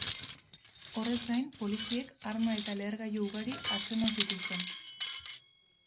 Horrez gain, poliziek arma eta lehergailu ugari atzeman zituzten.